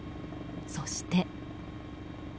そして。